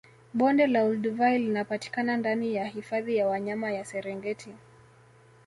Bonde la Olduvai linapatikana ndani ya hifadhi ya wanyama ya Serengeti